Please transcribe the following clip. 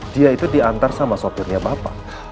dia itu diantar sama sopirnya bapak